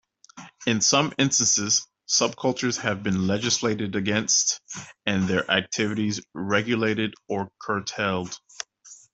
In some instances, subcultures have been legislated against, and their activities regulated or curtailed.